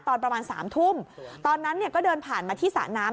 ตอนประมาณสามทุ่มตอนนั้นเนี่ยก็เดินผ่านมาที่สระน้ำ